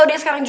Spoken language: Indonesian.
kau mau kemana